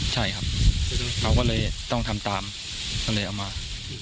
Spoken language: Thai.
ใช่ครับเขาก็เลยต้องทำตามก็เลยเอามา